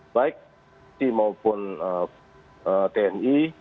baik si maupun tni